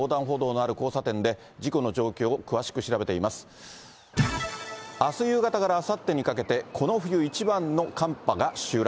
あす夕方からあさってにかけて、この冬一番の寒波が襲来。